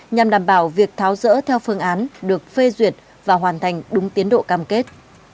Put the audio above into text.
nhằm đảm bảo việc tháo rỡ theo phương án được phê duyệt và hoàn thành đúng tiến độ cam kết